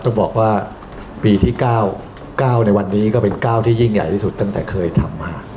ต้องบอกว่าปีที่๙๙ในวันนี้ก็เป็นก้าวที่ยิ่งใหญ่ที่สุดตั้งแต่เคยทำมา